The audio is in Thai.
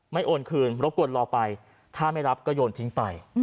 โอนคืนรบกวนรอไปถ้าไม่รับก็โยนทิ้งไป